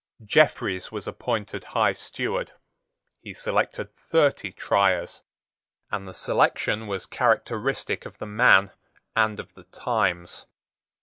Jeffreys was appointed High Steward. He selected thirty Triers; and the selection was characteristic of the man and of the times.